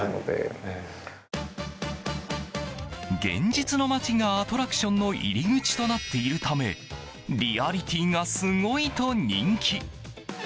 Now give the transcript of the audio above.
現実の街がアトラクションの入り口となっているためリアリティーがすごいと人気。